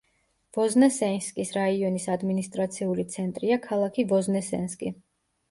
ვოზნესენსკის რაიონის ადმინისტრაციული ცენტრია ქალაქი ვოზნესენსკი.